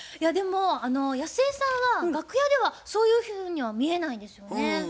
でもやすえさんは楽屋ではそういうふうには見えないですよね。